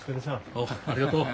おうありがとう。